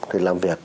thì làm việc